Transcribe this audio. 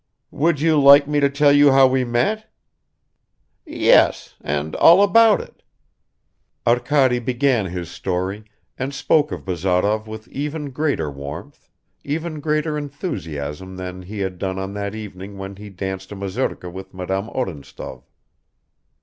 "Would you like me to tell you how we met?" "Yes ... and all about it " Arkady began his story and spoke of Bazarov with even greater warmth, even greater enthusiasm than he had done on that evening when he danced a mazurka with Madame Odintsov.